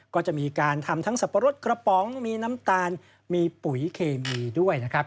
ก็จะมีการทำทั้งสับปะรดกระป๋องมีน้ำตาลมีปุ๋ยเคมีด้วยนะครับ